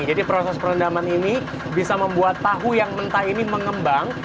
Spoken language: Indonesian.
jadi proses perendamannya ini bisa membuat tahu yang mentah ini mengembang